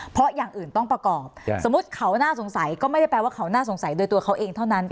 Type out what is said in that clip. เพราะอย่างอื่นต้องประกอบสมมุติเขาน่าสงสัยก็ไม่ได้แปลว่าเขาน่าสงสัยโดยตัวเขาเองเท่านั้น